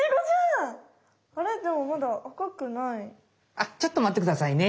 あっちょっとまってくださいね。